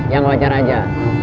yang wajar aja